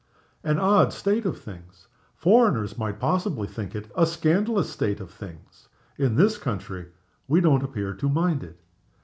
An odd state of things. Foreigners might possibly think it a scandalous state of things. In this country we don't appear to mind it.